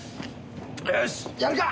よしやるか！